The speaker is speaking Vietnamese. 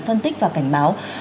phân tích và cảnh báo